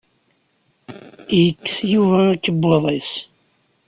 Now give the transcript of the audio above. Yekkes Yuba akebbuḍ-is.